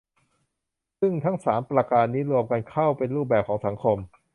ซึ่งทั้งสามประการนี้ รวมกันเข้าเป็นรูปแบบของสังคม